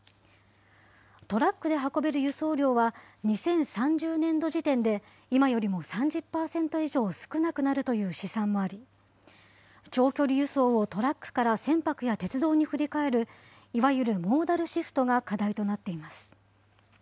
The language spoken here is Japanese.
トラックで運べる輸送量は、２０３０年度時点で今よりも３０％以上少なくなるという試算もあり、長距離輸送をトラックから船舶や鉄道に振り替える、いわゆるモーダルシフトが課題となっています。